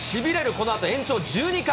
このあと延長１２回。